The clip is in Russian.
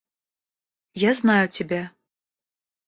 Я знаю тебя.